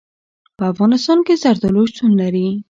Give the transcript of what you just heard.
په افغانستان کې زردالو شتون لري.